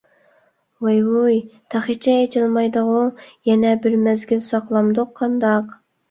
ۋاي-ۋۇي تېخىچە ئېچىلمايدىغۇ؟ يەنە بىر مەزگىل ساقلامدۇق قانداق؟